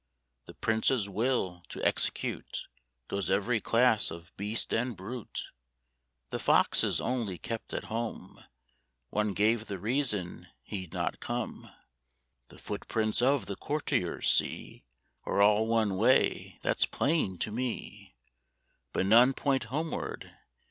The Prince's will to execute Goes every class of beast and brute. The Foxes only kept at home; One gave the reason he'd not come: "The footprints of the courtiers, see, Are all one way, that's plain to me: But none point homeward.